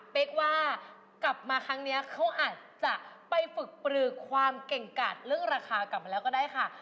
กว่ากลับมาครั้งนี้เขาอาจจะไปฝึกปลือความเก่งกาดเรื่องราคากลับมาแล้วก็ได้ค่ะ